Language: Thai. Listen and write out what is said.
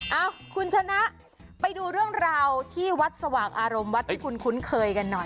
เอ้าคุณชนะไปดูเรื่องราวที่วัดสว่างอารมณ์วัดที่คุณคุ้นเคยกันหน่อย